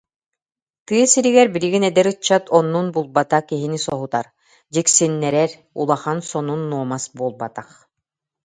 Тыа сиригэр билигин эдэр ыччат оннун булбата киһини соһутар, дьиксиннэрэр улахан сонун-нуомас буолбатах